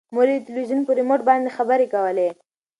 مور یې د تلویزون په ریموټ باندې خبرې کولې.